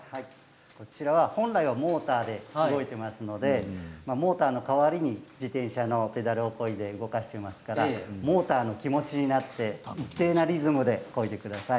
こちらは本来はモーターで動いていますのでモーターの代わりに自転車のペダルをこいで動かしていますからモーターの気持ちになって一定のリズムでこいでください。